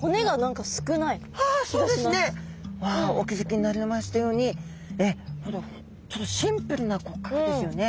あそうですね。お気付きになりましたようにちょっとシンプルな骨格ですよね。